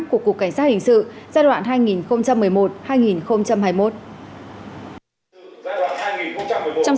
của cục cảnh sát hình sự giai đoạn hai nghìn một mươi một hai nghìn hai mươi một